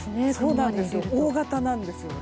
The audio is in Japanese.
大型なんです。